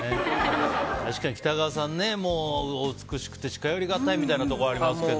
確かに、北川さんお美しくて近寄りがたいというイメージがありますけど。